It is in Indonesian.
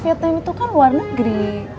vietnam itu kan luar negeri